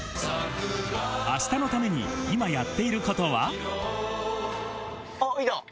あしたのために今やっていることは？あっ、いた。